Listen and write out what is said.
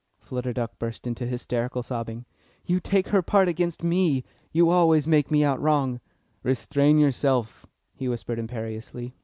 Flutter Duck burst into hysterical sobbing. "Yes, take her part against me! You always make me out wrong." "Restrain yourself!" he whispered imperiously.